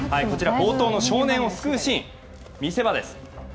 冒頭の少年を救うシーン見せ場です。